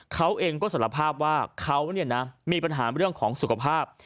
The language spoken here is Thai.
เขาเองก็สารภาพว่าเขามีปัญหาเรื่องของสุขภาพ